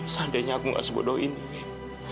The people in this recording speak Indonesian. seandainya aku gak sebodoh ini wih